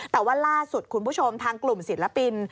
แต่ว่าล่าสุดคุณผู้ชมทางกลุ่มศิลปิน